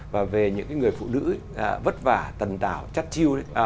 và về những người phụ nữ vất vả tần tảo chắc chiêu